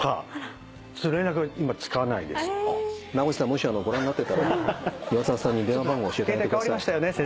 もしご覧になってたら岩沢さんに電話番号教えてあげてください。